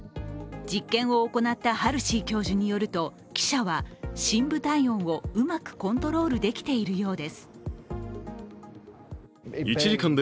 実験を行ったハルシー教授によると、記者は深部体温をうまくコントロールできているようです。